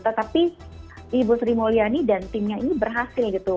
tetapi ibu sri mulyani dan timnya ini berhasil gitu